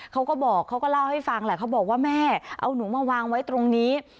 เขาก็บอกเขาก็เล่าให้ฟังแหละเขาบอกว่าแม่เอาหนูมาวางไว้ตรงนี้